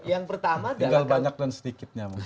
yang pertama tinggal banyak dan sedikitnya mas